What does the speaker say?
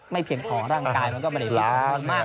ไม่เพียงของร่างกายมันก็ไม่ได้รู้สึกมาก